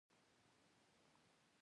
بشري ځواک یې ناکاره و.